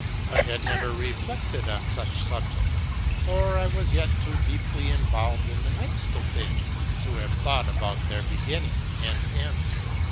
I had never reflected on such subjects, for I was yet too deeply involved in the midst of things to have thought about their beginning and end.